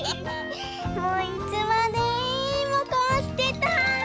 もういつまでもこうしてたい！